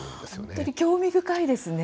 本当に興味深いですね。